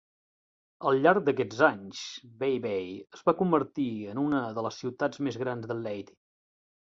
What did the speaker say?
Al llarg d'aquests anys, Baybay es va convertir en una de les ciutats més grans de Leyte.